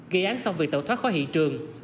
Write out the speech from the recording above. gây án xong việc tẩu thoát khóa hị trường